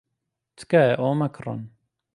تکایە ئەوە مەکڕن.